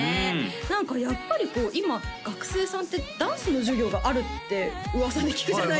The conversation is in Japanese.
何かやっぱりこう今学生さんってダンスの授業があるって噂で聞くじゃないですか